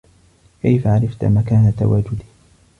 كيف عرفت مكان تواجدي؟